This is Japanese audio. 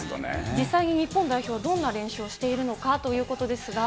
実際に日本代表、どんな練習をしているのかということですが。